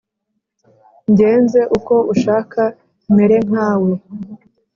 Ngenzeuko ushaka mere nkawe,